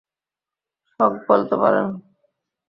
শখ বলতে পারেন।